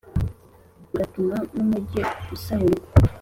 agatuma n’umugi usahurwa.